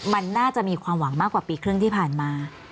มันน่าจะมีความหวังมากกว่าปีครึ่งที่ผ่านมา